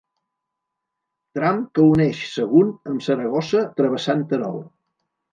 Tram que uneix Sagunt amb Saragossa travessant Terol.